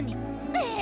ええ！